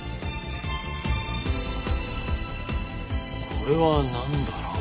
これはなんだろう？